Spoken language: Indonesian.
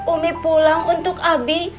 umi pulang untuk abi